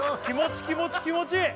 気持ち気持ち気持ち！